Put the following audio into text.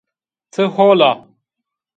Ti hol a?